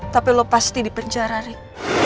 tapi lu pasti dipenjara rik